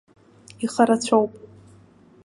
Ихарацәоуп.